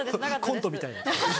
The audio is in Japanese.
・コントみたい・